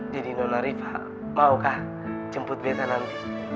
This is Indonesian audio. jadi nona rifai maukah jemput beta nanti